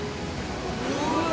うわ！